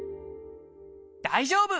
大丈夫！